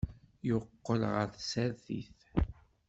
Yeqqel ɣer tsertit.